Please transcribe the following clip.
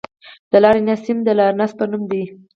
د لارنسیم د لارنس په نوم دی.